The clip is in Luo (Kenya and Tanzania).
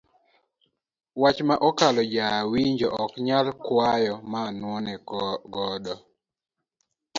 Wach ma okalo ja winjo ok onyal kwayo ma nuone godo.